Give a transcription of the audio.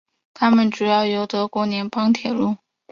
它们主要由德国联邦铁路。